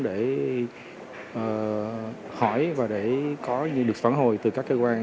để hỏi và để có như được